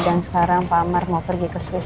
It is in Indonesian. dan sekarang pak amar mau pergi ke swiss